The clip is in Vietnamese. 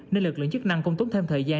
nên lực lượng chức năng cũng tốn thêm thời gian